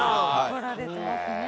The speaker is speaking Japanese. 怒られてますね。